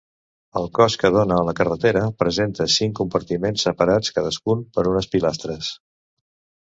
El cos que dóna a la carretera presenta cinc compartiments, separats cadascun per unes pilastres.